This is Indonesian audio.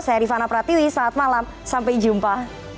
saya rifana pratiwi selamat malam sampai jumpa